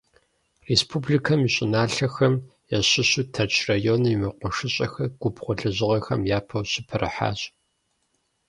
Республикэм и щӏыналъэхэм ящыщу Тэрч районым и мэкъумэшыщӏэхэр губгъуэ лэжьыгъэхэм япэу щыпэрыхьащ.